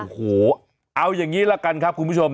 โอ้โหเอาอย่างนี้ละกันครับคุณผู้ชม